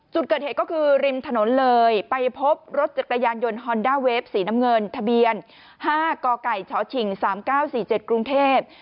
จุดเกิดเหตุก็คือริมถนนเลยไปพบรถจักรยานยนต์ฮอนด้าเวฟสีน้ำเงินทะเบียน๕กไก่ชชิง๓๙๔๗กรุงเทพ